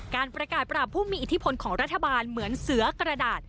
การประกาศปราบผู้มีอิทธิพลของรัฐบาลเหมือนเสือกระดาษ